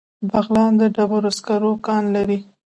بغلان د ډبرو سکرو کان لري